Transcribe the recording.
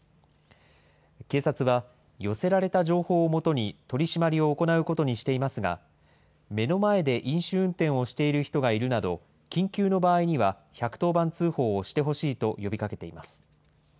警察は、寄せられた情報をもとに取締りを行うことにしていますが、目の前で飲酒運転をしている人がいるなど、緊急の場合には１１０番通報をしてほしいと呼びかけています。